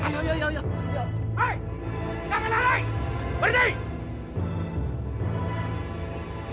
hei jangan lari berhenti